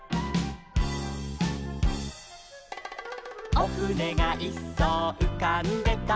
「おふねがいっそううかんでた」